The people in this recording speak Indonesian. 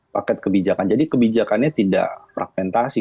paket kebijakan jadi kebijakannya tidak fragmentasi